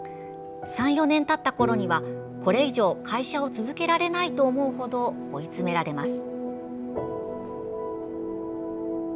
３４年たったころにはこれ以上会社を続けられないと思う程追い詰められます。